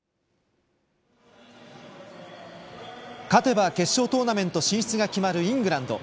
勝てば決勝トーナメント進出が決まるイングランド。